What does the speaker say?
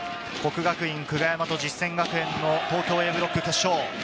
國學院久我山と実践学園の東京Ａブロック決勝。